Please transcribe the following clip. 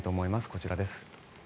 こちらです。